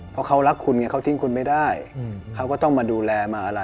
เพราะเขารักคุณไงเขาทิ้งคุณไม่ได้เขาก็ต้องมาดูแลมาอะไร